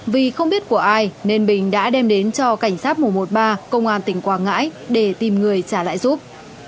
vì không biết của ai nên bình đã đem đến cho cảnh sát một trăm một mươi ba công an tỉnh quảng ngãi để tìm người trả lại giúp